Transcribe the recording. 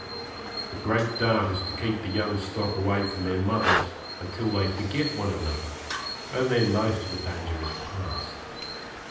The great dart is to keep the young stock away from their mothers until they forget one another, and then most of the danger is past.